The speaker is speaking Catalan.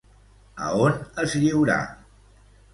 A on es lliurà?